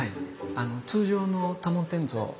通常の多聞天像